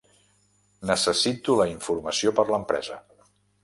Necessito la informació per l'empresa.